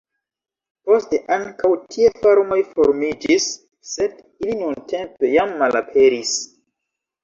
Poste ankaŭ tie farmoj formiĝis, sed ili nuntempe jam malaperis.